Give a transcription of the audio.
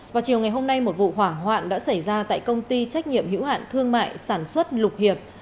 vào chiều ngày hôm nay một vụ hỏa hoạn đã xảy ra tại công ty trách nhiệm hữu hạn thương mại sản xuất lục hiệp